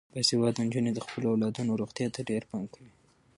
باسواده نجونې د خپلو اولادونو روغتیا ته ډیر پام کوي.